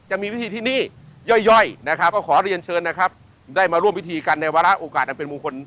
จะมีวิธีที่นี่ย่อยนะครับก็ขอเรียนเชิญนะครับได้มาร่วมพิธีกันในวาระโอกาสอันเป็นมงคล